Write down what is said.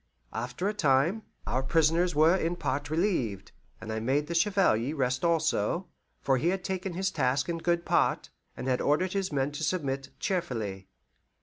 After a time, our prisoners were in part relieved, and I made the Chevalier rest also, for he had taken his task in good part, and had ordered his men to submit cheerfully.